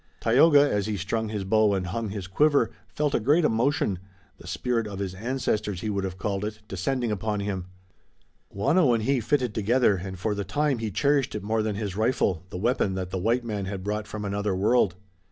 Tayoga, as he strung his bow and hung his quiver, felt a great emotion, the spirit of his ancestors he would have called it, descending upon him. Waano and he fitted together and for the time he cherished it more than his rifle, the weapon that the white man had brought from another world.